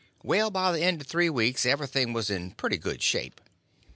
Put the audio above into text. Well, by the end of three weeks everything was in pretty good shape.